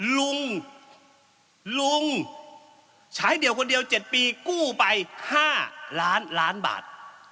ลุงลุงใช้เดี่ยวคนเดียว๗ปีกู้ไป๕ล้านล้านบาท